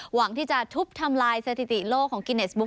หวังที่จะทุบทำลายสถิติโลกของกิเนสบุ๊